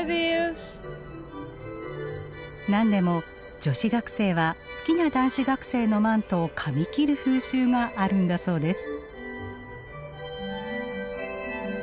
なんでも女子学生は好きな男子学生のマントをかみ切る風習があるんだそうです。